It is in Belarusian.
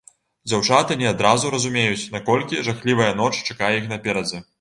Дзяўчаты не адразу разумеюць, наколькі жахлівая ноч чакае іх наперадзе.